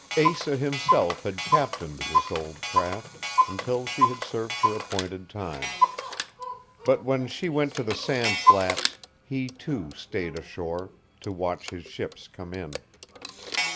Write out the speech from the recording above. Asa himself had captained this old craft, until she had served her appointed time; but when she went to the sand flats, he, too, stayed ashore, to watch his ships come in.